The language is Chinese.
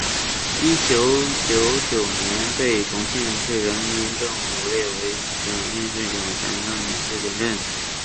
一九九九年被重庆市人民政府列为重庆市小城镇建设试点镇。